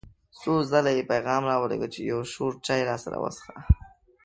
څو ځله یې پیغام را ولېږه چې یو شور چای راسره وڅښه.